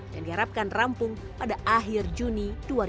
dan diharapkan rampung pada akhir juni dua ribu dua puluh satu